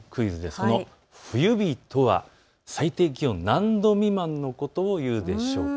この冬日とは最低気温何度未満のことを言うでしょうか。